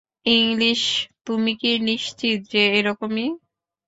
English, তুমি কি নিশ্চিত যে, এরকমই?